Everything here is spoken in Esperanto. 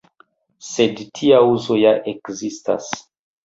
Sed tia uzo ja ekzistas.